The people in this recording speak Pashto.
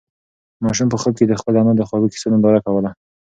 ماشوم په خوب کې د خپلې انا د خوږو قېصو ننداره کوله.